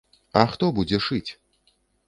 А хто будзе шыць?